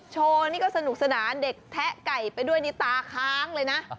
โชว์นี่ก็สนุกสนานเด็กแทะไก่ไปด้วยนี่ตาค้างเลยนะ